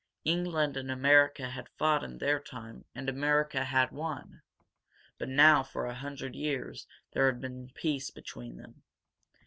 England and America had fought, in their time, and America had won, but now, for a hundred years, there had been peace between them.